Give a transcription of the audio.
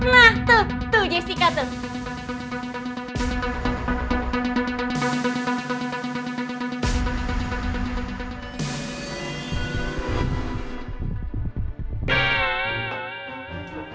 nah tuh tuh jessica tuh